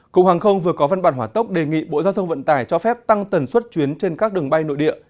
cục hàng không vừa có văn bản hỏa tốc đề nghị bộ giao thông vận tải cho phép tăng tần suất chuyến trên các đường bay nội địa